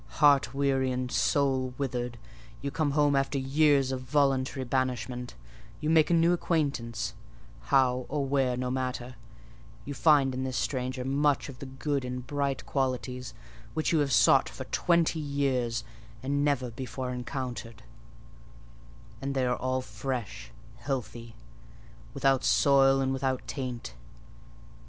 Heart weary and soul withered, you come home after years of voluntary banishment: you make a new acquaintance—how or where no matter: you find in this stranger much of the good and bright qualities which you have sought for twenty years, and never before encountered; and they are all fresh, healthy, without soil and without taint.